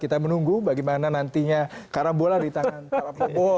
kita menunggu bagaimana nantinya karambola di tangan pak prabowo